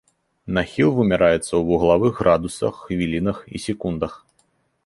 Нахіл вымяраецца ў вуглавых градусах, хвілінах і секундах.